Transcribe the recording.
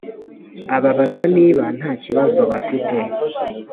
ababaza niba ntakibazo bafite